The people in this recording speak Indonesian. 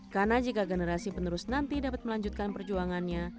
karena jika generasi penerus nanti dapat melanjutkan perjuangannya